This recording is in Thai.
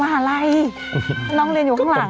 อะไรน้องเรียนอยู่ข้างหลัง